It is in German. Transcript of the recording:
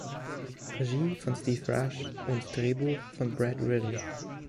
Regie von Steve Rash und Drehbuch von Brad Riddell.